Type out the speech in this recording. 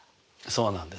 そうなんです。